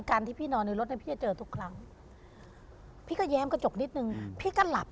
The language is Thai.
อันนี้คนขับ